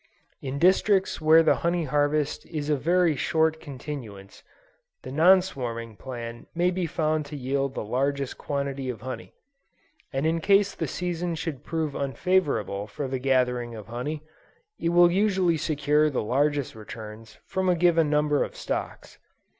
In districts where the honey harvest is of very short continuance, the non swarming plan may be found to yield the largest quantity of honey, and in case the season should prove unfavorable for the gathering of honey, it will usually secure the largest returns from a given number of stocks.